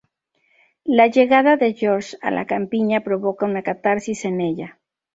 La llegada de George a la campiña provoca una catarsis en ella.